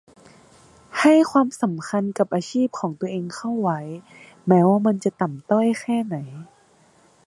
ให้ความสำคัญกับอาชีพของตัวเองเข้าไว้ แม้ว่ามันจะต่ำต้อยแค่ไหน